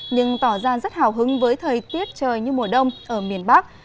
nhưng tỏ ra rất hào hứng với thời tiết trời như mùa đông ở miền bắc